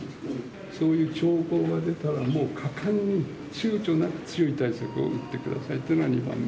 そういう兆候が出たら、もう果敢にちゅうちょなく強い対策を打ってくださいというのが２番目。